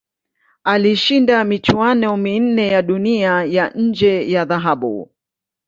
Alishinda michuano minne ya Dunia ya nje ya dhahabu.